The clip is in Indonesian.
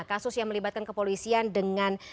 kasus yang melibatkan kepolisian dengan